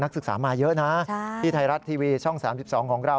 ศึกษามาเยอะนะที่ไทยรัฐทีวีช่อง๓๒ของเรา